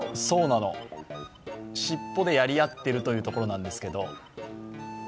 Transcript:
そうなの、尻尾でやり合ってるというところなんですけど。